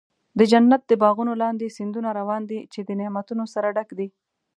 د جنت د باغونو لاندې سیندونه روان دي، چې د نعمتونو سره ډک دي.